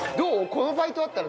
このバイトあったらどう？